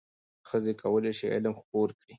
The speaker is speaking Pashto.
ښځې کولای شي علم خپور کړي.